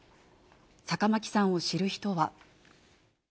坂巻さんを知る人は。